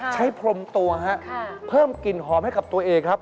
พรมตัวฮะเพิ่มกลิ่นหอมให้กับตัวเองครับ